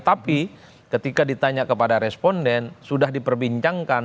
tapi ketika ditanya kepada responden sudah diperbincangkan